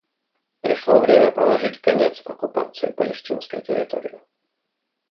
Пришло время положить конец оккупации палестинской территории.